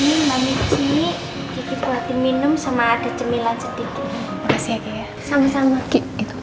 ini mami cik dikit buat diminum sama ada cemilan sedikit